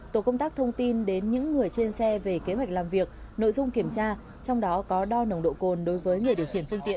tổ công tác thông tin đến những người trên xe về kế hoạch làm việc nội dung kiểm tra trong đó có đo nồng độ cồn đối với người điều khiển phương tiện